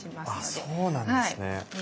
あっそうなんですね。